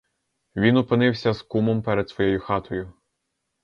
Він опинився з кумом перед своєю хатою.